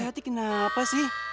kayati kenapa sih